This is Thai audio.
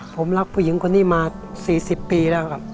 ผมรักผู้หญิงคนนี้มา๔๐ปีแล้วครับ